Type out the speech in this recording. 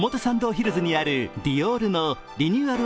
ヒルズにあるディオールのリニューアル